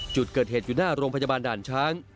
จุดเกิดเหตุอยู่หน้าโรงพยาบาลด่านช้าง